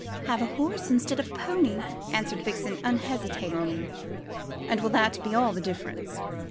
"Have a horse instead of a pony," answered Vixen unhesitatingly. "And will that be all the difference?"